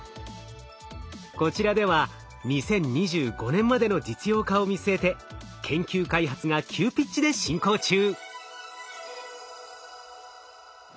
こちらでは２０２５年までの実用化を見据えて研究開発が急ピッチで進行中。